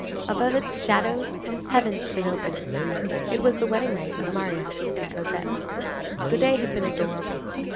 Above its shadows heaven stood open. It was the wedding night of Marius and Cosette. The day had been adorable.